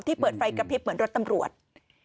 เปิดไฟกระพริบเหมือนรถตำรวจ